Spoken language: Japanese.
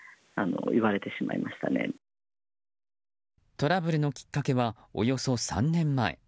トラブルのきっかけはおよそ３年前。